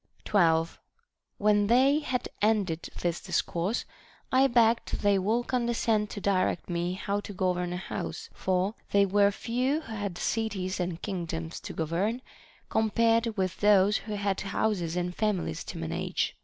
12. When they had ended this discourse, I begged they would condescend to direct me how to govern a house ; for they were few who had cities and kingdoms to govern, compared with those who had houses and families to man age.